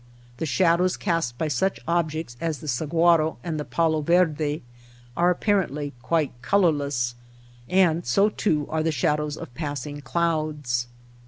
The shad ows cast by such objects as the sahuaro and the palo verde are apparently quite colorless ; and so, too, are the shadows of passing clouds.